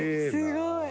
すごい！